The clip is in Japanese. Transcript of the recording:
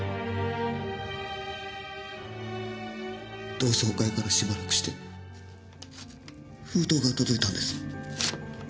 同窓会からしばらくして封筒が届いたんです。